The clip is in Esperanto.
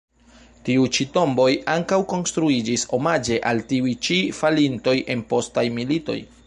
Tiuj ĉi tomboj ankaŭ konstruiĝis omaĝe al tiuj ĉi falintoj en postaj militoj.